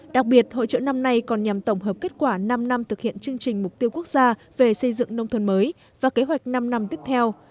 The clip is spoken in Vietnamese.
đặc biệt hội trợ năm nay còn nhằm tổng hợp kết quả năm năm thực hiện chương trình mục tiêu quốc gia về xây dựng nông thôn mới và kế hoạch năm năm tiếp theo